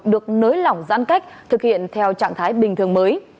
được nới lỏng giãn cách thực hiện theo trạng thái bình thường mới